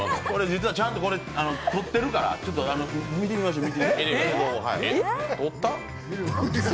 実はちゃんと撮ってるから、見てみましょう。